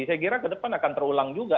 saya kira ke depan akan terulang juga